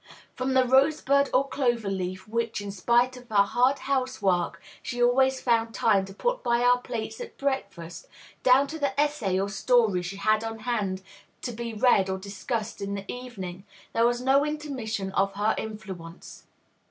From the rose bud or clover leaf which, in spite of her hard housework, she always found time to put by our plates at breakfast, down to the essay or story she had on hand to be read or discussed in the evening, there was no intermission of her influence.